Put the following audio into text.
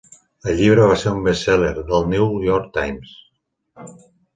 El llibre va ser un "best-seller" del "The New York Times".